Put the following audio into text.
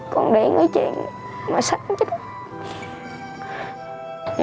con điện nói chuyện mẹ sẵn chứ